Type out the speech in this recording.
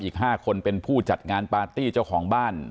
อีก๕คนเป็นผู้จัดงานปาร์ตี้เจ้าของบ้าน